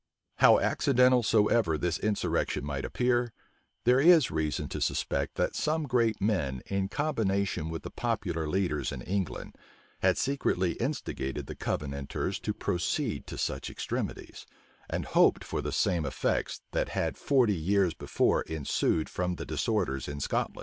How accidental soever this insurrection might appear, there is reason to suspect that some great men, in combination with the popular leaders in England, had secretly instigated the Covenanters to proceed to such extremities,[*] and hoped for the same effects that had forty years before ensued from the disorders in Scotland.